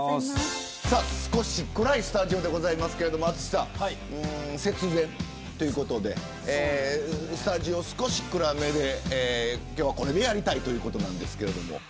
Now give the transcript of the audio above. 少し暗いスタジオでございますが、淳さん節電ということでスタジオ少し暗めで今日はこれでやりたいということですが。